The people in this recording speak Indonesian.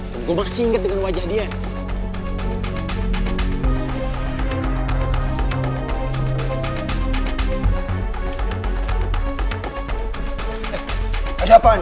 lo ga salah liat kan